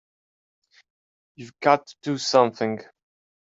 You've got to do something!